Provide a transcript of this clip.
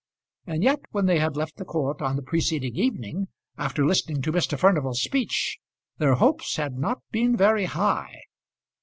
And yet when they had left the court on the preceding evening, after listening to Mr. Furnival's speech, their hopes had not been very high.